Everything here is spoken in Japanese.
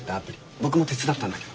僕も手伝ったんだけど。